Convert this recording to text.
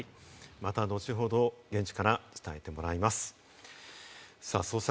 また後ほど現地から伝えてもらいます。